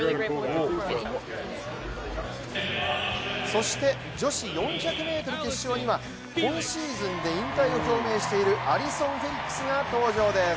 そして、女子４００ｍ決勝には今シーズンで引退を表明しているアリソン・フェリックスが登場です。